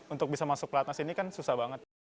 untuk bisa masuk pelatnas ini kan susah banget